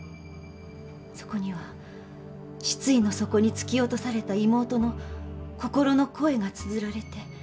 そこには失意の底に突き落とされた妹の心の声がつづられて。